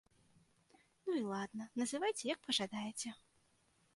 Ну і ладна, называйце як пажадаеце.